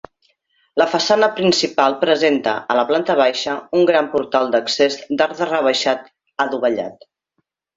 La façana principal presenta, a la planta baixa, un gran portal d'accés d'arc rebaixat adovellat.